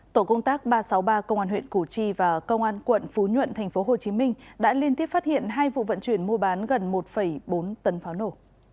tổ công tác ba trăm sáu mươi ba công an huyện củ chi và công an quận phú nhuận tp hcm đã liên tiếp phát hiện hai vụ vận chuyển mua bán gần một bốn tấn pháo nổ